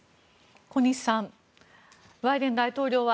小西さんバイデン大統領は